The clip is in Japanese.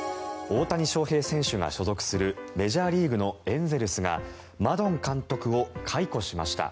大谷翔平選手が所属するメジャーリーグのエンゼルスがマドン監督を解雇しました。